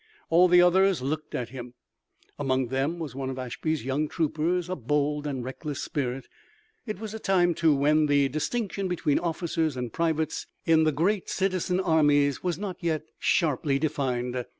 All the others looked at him. Among them was one of Ashby's young troopers, a bold and reckless spirit. It was a time, too, when the distinction between officers and privates in the great citizen armies was not yet sharply defined.